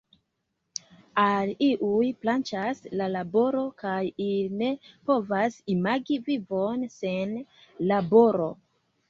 Al iuj plaĉas la laboro kaj ili ne povas imagi vivon sen laboro.